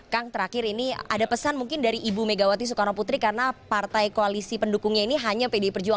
kang terakhir ini ada pesan mungkin dari ibu megawati soekarno putri karena partai koalisi pendukungnya ini hanya pdi perjuangan